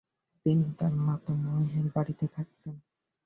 তিনি তার মাতামহের বাড়িতে থাকতেন ।